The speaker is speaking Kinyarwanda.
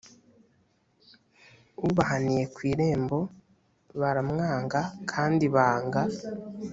ubahaniye ku irembo baramwanga kandi banga